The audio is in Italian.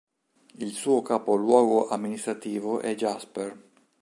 Il suo capoluogo amministrativo è Jasper.